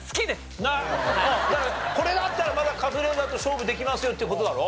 だからこれだったらまだカズレーザーと勝負できますよっていう事だろ？